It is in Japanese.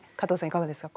いかがですか？